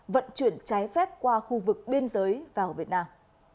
vận chuyển trái phép qua khu vực biên giới vào việt nam